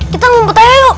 kita ngumpet aja yuk